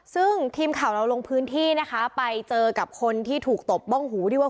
ซึ่งทีมข่าวเราลงพื้นที่นะคะไปเจอกับคนที่ถูกตบบ้องหูที่ว่า